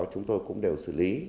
chúng tôi cũng đều xử lý